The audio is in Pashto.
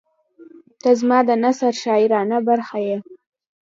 • ته زما د نثر شاعرانه برخه یې.